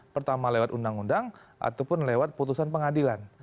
pertama lewat undang undang ataupun lewat putusan pengadilan